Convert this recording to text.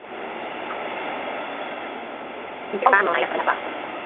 nke ọ ga-anọ na ya abalị asaa